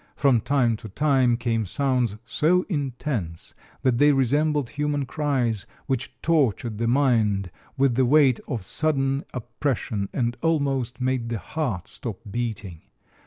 From time to time came sounds so intense that they resembled human cries, which tortured the mind with the weight of sudden oppression and almost made the heart stop beating.